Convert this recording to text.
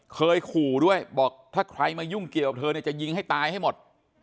เคยขู่ด้วยบอกถ้าใครมายุ่งเกี่ยวกับเธอเนี่ยจะยิงให้ตายให้หมด